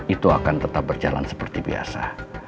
itu akan tetap berjalan seperti biasa